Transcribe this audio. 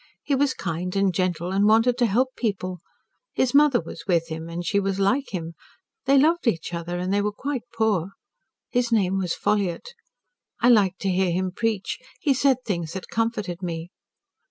He was kind and gentle, and wanted to help people. His mother was with him and she was like him. They loved each other, and they were quite poor. His name was Ffolliott. I liked to hear him preach. He said things that comforted me.